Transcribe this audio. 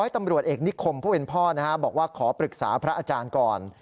ตำรวจเอกนิคมผู้เป็นพ่อบอกว่าขอปรึกษาพระอาจารย์ก่อน